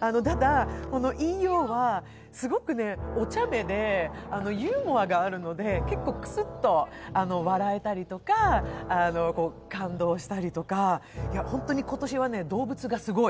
ただＥＯは、すごくおちゃめでユーモアがあるので結構、クスッと笑えたりとか感動したりとか、本当に今年は動物がすごい。